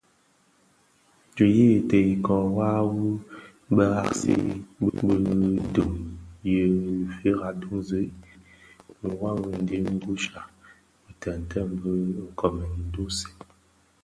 Ti yiyiti ikōō wua wu bë ghaksi bi duň yi lufira duňzi a mwadingusha Bitënten bi bë nkoomèn ntusèn.